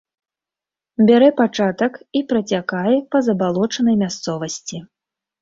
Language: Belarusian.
Бярэ пачатак і працякае па забалочанай мясцовасці.